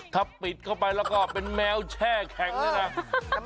ถ้าปิดเข้าไปแล้วก็เป็นแมวแช่แข็งเลยนะ